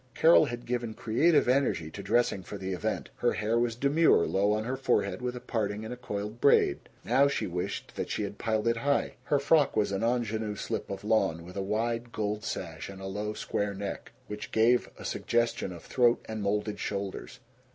Carol had given creative energy to dressing for the event. Her hair was demure, low on her forehead with a parting and a coiled braid. Now she wished that she had piled it high. Her frock was an ingenue slip of lawn, with a wide gold sash and a low square neck, which gave a suggestion of throat and molded shoulders.